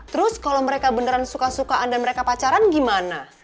terus kalau mereka beneran suka sukaan dan mereka pacaran gimana